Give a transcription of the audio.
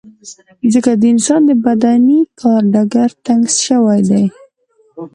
ځکه د انسان د بدني کار ډګر تنګ شوی دی.